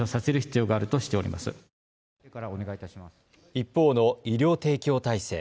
一方の医療提供体制。